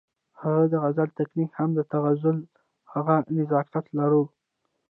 د هغه د غزل تکنيک هم د تغزل هغه نزاکت لرلو